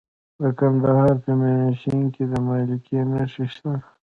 د کندهار په میانشین کې د مالګې نښې شته.